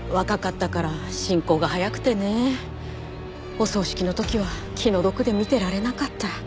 お葬式の時は気の毒で見てられなかった。